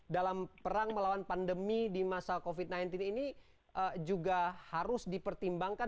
dalam perang melawan pandemi di masa covid sembilan belas ini juga harus dipertimbangkan